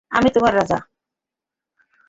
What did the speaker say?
আমি তোমাদের রাজা।